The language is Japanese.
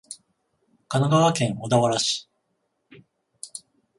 神奈川県小田原市